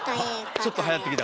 ちょっとはやってきた？